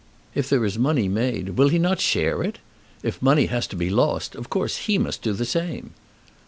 If there is money made, will not he share it? If money has to be lost, of course he must do the same."